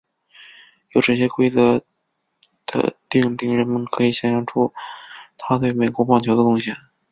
由这些规则的订定人们可以想像出他对美国棒球的贡献。